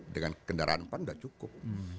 dengan kendaraan pan sudah cukup